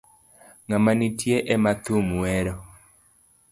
Ngama nitie ema thum wero